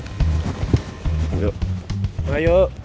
tidak sedikit n calon